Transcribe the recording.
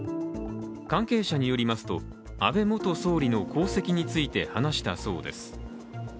関係者によりますと、安倍元総理の功績について話したそうです。